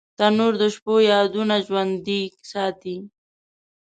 تنور د شپو یادونه ژوندۍ ساتي